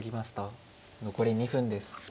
残り２分です。